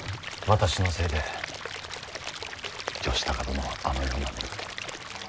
私のせいで義高殿はあのような目に。